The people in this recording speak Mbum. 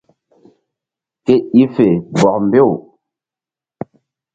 Ke i fe bɔk mbew.